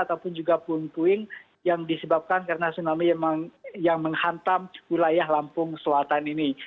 dan juga pun puing puing yang disebabkan karena tsunami yang menghantam wilayah lampung selatan ini